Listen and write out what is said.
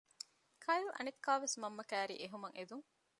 ކައިލް އަނެއްކާވެސް މަންމަ ކައިރީ އެހުމަށް އެދުން